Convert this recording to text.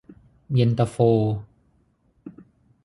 เย็นตาโฟ